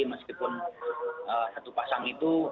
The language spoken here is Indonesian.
meskipun satu pasangan itu